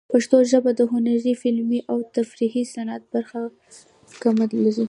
پښتو ژبه د هنري، فلمي، او تفریحي صنعت برخه کمه لري.